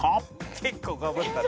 「結構かぶったな」